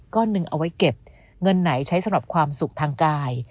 หนึ่งเอาไว้เก็บเงินไหนใช้สำหรับความสุขทางกาย